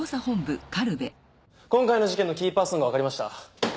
今回の事件のキーパーソンがわかりました。